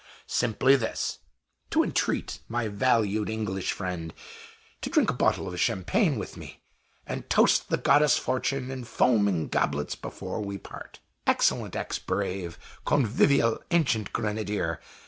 Simply this: to entreat my valued English friend to drink a bottle of Champagne with me, and toast the goddess Fortune in foaming goblets before we part!" Excellent ex brave! Convivial ancient grenadier!